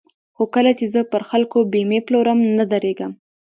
خو کله چې زه پر خلکو بېمې پلورم نه درېږم.